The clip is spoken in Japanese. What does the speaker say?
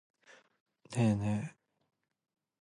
ねえねえ。